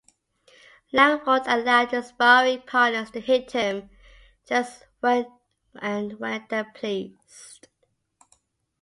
Langford allowed his sparring partners to hit him just when and where they pleased.